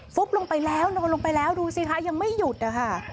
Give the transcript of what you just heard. บลงไปแล้วนอนลงไปแล้วดูสิคะยังไม่หยุดนะคะ